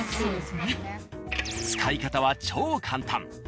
使い方は超簡単。